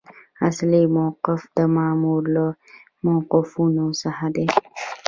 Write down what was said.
اصلي موقف د مامور له موقفونو څخه دی.